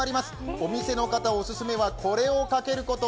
お店の方お勧めはこれをかけること。